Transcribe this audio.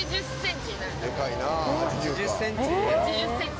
８０ｃｍ？